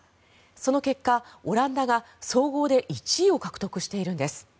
その結果、オランダが総合で１位を獲得しているんです。